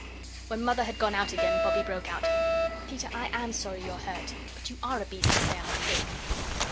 When Mother had gone out again, Bobbie broke out: "Peter, I AM sorry you're hurt. But you ARE a beast to say I'm a prig."